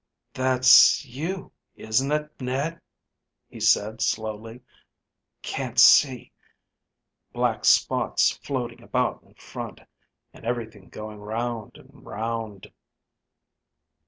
"That's you, isn't it, Ned?" he said slowly. "Can't see. Black spots floating about in front, and everything going round and round."